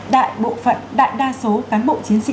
đại bộ phận đại đa số cán bộ chiến sĩ